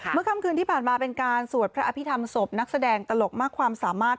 ค่ำคืนที่ผ่านมาเป็นการสวดพระอภิษฐรรมศพนักแสดงตลกมากความสามารถ